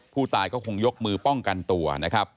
ผู้ตายก็คงยกมือป้องกันตัวนะครับ